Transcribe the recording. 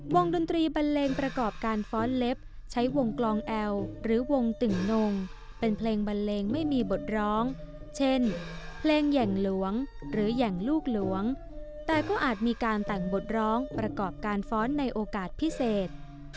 ดนตรีบันเลงประกอบการฟ้อนเล็บใช้วงกลองแอลหรือวงตึ่งนงเป็นเพลงบันเลงไม่มีบทร้องเช่นเพลงแห่งหลวงหรือแห่งลูกหลวงแต่ก็อาจมีการแต่งบทร้องประกอบการฟ้อนในโอกาสพิเศษ